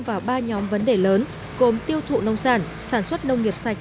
vào ba nhóm vấn đề lớn gồm tiêu thụ nông sản sản xuất nông nghiệp sạch